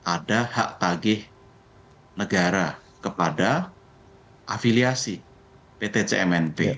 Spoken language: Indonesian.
ada hak tagih negara kepada afiliasi pt cmnp